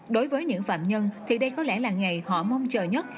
đối với những phạm nhân thì đây có lẽ là ngày họ mong chờ nhất